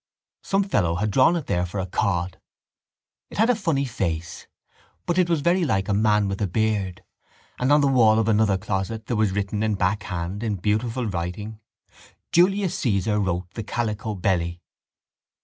_ Some fellow had drawn it there for a cod. It had a funny face but it was very like a man with a beard. And on the wall of another closet there was written in backhand in beautiful writing: _Julius Cæsar wrote The Calico Belly.